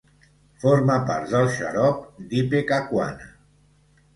Forma part del xarop d'ipecacuana.